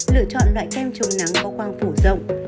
lựa chọn loại kem chống nắng có quang phủ rộng